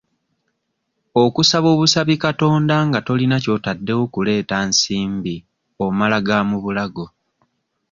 Okusaba obusabi Katonda nga tolina ky'otaddewo kuleeta nsimbi omala ga mu bulago